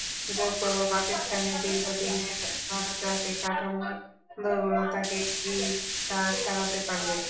যোগ করলেও পাকিস্তানের দীর্ঘদিনের গণতান্ত্রিক কাঠামোর দুর্বলতাকে কি তা সারাতে পারবে?